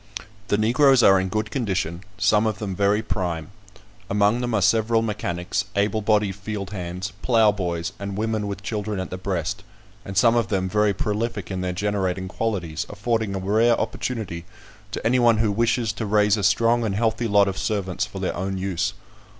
The Negroes are in good condition, some of them very prime; among them are several mechanics, able bodied field hands, ploughboys, and women with children at the breast, and some of them very prolific in their generating qualities, affording a rare opportunity to any one who wishes to raise a strong and healthy lot of servants for their own use.